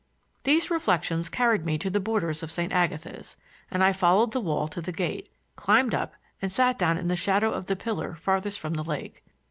These reflections carried me to the borders of St. Agatha's, and I followed the wall to the gate, climbed up, and sat down in the shadow of the pillar farthest from the lake.